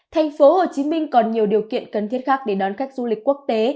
thành phố hồ chí minh còn nhiều điều kiện cần thiết khác để đón khách du lịch quốc tế